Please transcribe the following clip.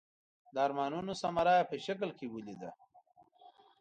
د ارمانونو ثمره یې په شکل کې ولیده.